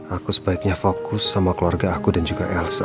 aku sebaiknya fokus sama keluarga aku dan juga elsa